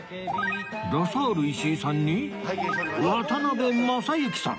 ラサール石井さんに渡辺正行さん